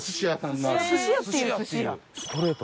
ストレート。